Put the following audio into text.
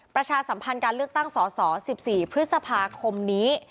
ประชาสัมพันธ์การเลือกตั้งสอสอ๑๔พฤษภาคมนี้